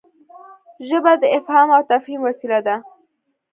ژبه د افهام او تفهيم وسیله ده.